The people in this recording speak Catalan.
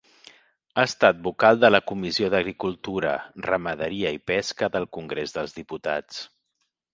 Ha estat vocal de la Comissió d'Agricultura, Ramaderia i Pesca del Congrés dels Diputats.